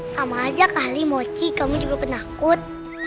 sama aja kak limoci kamu juga penakut